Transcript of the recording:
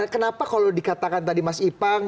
kenapa kalau dikatakan tadi mas ipang